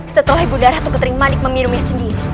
setelah ibu darah tukering manik meminumnya sendiri